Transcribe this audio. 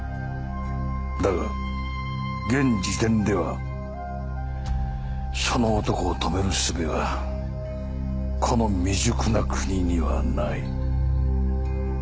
だが現時点ではその男を止める術はこの未熟な国にはない。